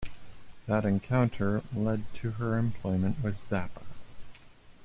That encounter led to her employment with Zappa.